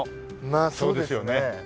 まあそうですね。